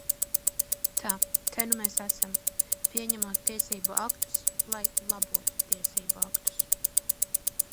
Tā, te nu mēs esam, pieņemot tiesību aktus, lai labotu tiesību aktus.